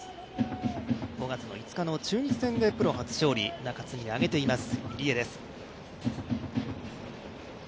５月５日の中日戦でプロ初勝利、中継ぎに上げています、入江です。